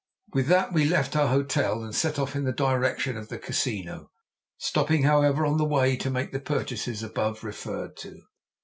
With that we left our hotel and set off in the direction of the Casino, stopping, however, on the way to make the purchases above referred to.